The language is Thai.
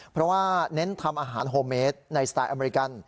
เพราะว่าเน้นทำอาหารโฮเมสในสไตล์อเมริกัน